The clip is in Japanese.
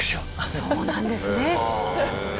そうなんですね。